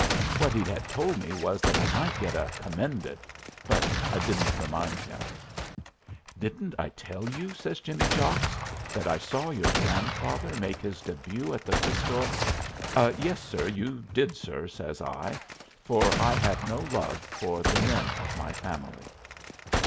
What he 'ad told me was that I might get a "commended," but I didn't remind him. "Didn't I tell you," says Jimmy Jocks, "that I saw your grandfather make his début at the Crystal " "Yes, sir, you did, sir," says I, for I have no love for the men of my family.